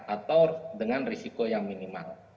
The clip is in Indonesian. atau dengan risiko yang minimal